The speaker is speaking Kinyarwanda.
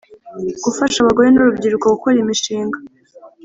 Gufasha abagore n urubyiruko gukora imishinga